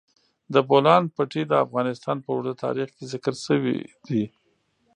د بولان پټي د افغانستان په اوږده تاریخ کې ذکر شوی دی.